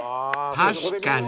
［確かに］